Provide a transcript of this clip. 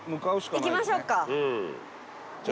行きましょうか。